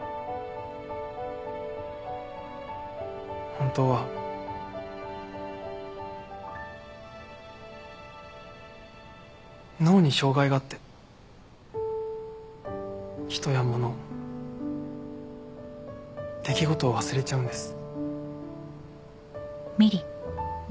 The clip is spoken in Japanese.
本当は脳に障害があって人やもの出来事を忘れちゃうんです